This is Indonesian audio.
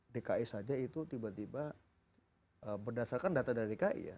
dki saja itu tiba tiba berdasarkan data dari dki ya